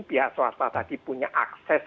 pihak swasta tadi punya akses